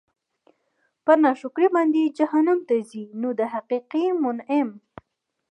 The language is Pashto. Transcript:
په ناشکر باندي جهنّم ته ځي؛ نو د حقيقي مُنعِم